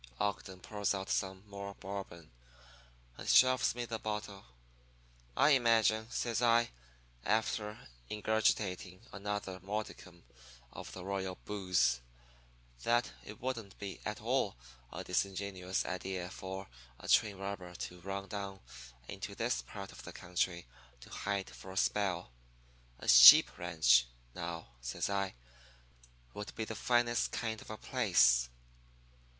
"Ogden pours out some more Bourbon, and shoves me the bottle. "'I imagine,' says I, after ingurgitating another modicum of the royal booze, 'that it wouldn't be at all a disingenuous idea for a train robber to run down into this part of the country to hide for a spell. A sheep ranch, now,' says I, 'would be the finest kind of a place.